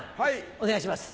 お願いします。